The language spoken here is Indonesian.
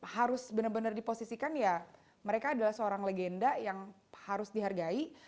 harus benar benar diposisikan ya mereka adalah seorang legenda yang harus dihargai